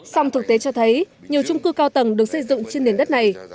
song thực tế cho thấy nhiều trung cư cao tầng được xây dựng trên nền đất này